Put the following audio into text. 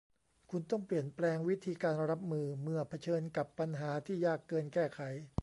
คุณต้องเปลี่ยนแปลงวิธีการรับมือเมื่อเผชิญกับปัญหาที่ยากเกินแก้ไข